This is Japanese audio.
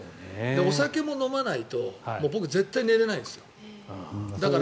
お酒も飲まないと僕、絶対に寝れないです。